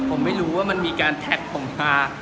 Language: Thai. ผมไม่รู้ว่ามันมีการแท็กผมมา